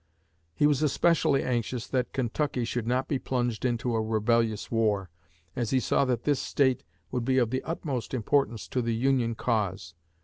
He was especially anxious that Kentucky should not be plunged into a rebellious war, as he saw that this State would be of the utmost importance to the Union cause.